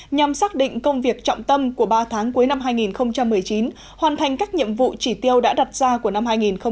nhằm xác định công việc trọng tâm của ba tháng cuối năm hai nghìn một mươi chín hoàn thành các nhiệm vụ chỉ tiêu đã đặt ra của năm hai nghìn hai mươi